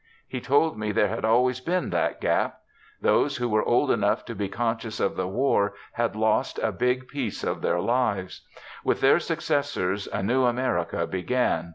He told me there had always been that gap. Those who were old enough to be conscious of the war had lost a big piece of their lives. With their successors a new America began.